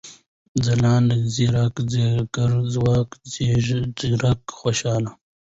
ځلاند ، ځير ، ځيگر ، ځواک ، ځيږ ، ځيرک ، خوشال